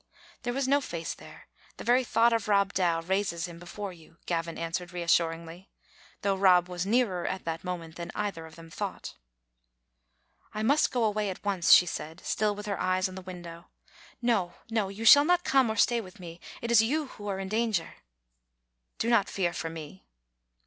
"There was no face there; the very thought of Rob Dow raises him before you," Gavin answered reassur ingly, though Rob was nearer at that moment than either of them thought "I must go away at once," she said, still with her eyes on the window. " No, no, you shall not come or stay with me; it is you who are in danger." " Do not fear for me."